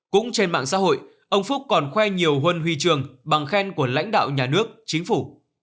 cũng trên mạng xã hội ông phúc còn khoe nhiều huân huy trường bằng khen của lãnh đạo nhà nước chính phủ